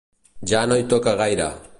Ja no hi toca gaire.